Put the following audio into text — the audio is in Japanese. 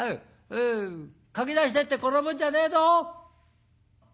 駆け出してって転ぶんじゃねえぞ！」。